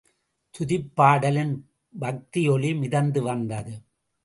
துதிப்பாடலின் பக்தி ஒலி மிதந்து வந்தது.